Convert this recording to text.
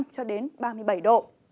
cho đến ba mươi bảy độ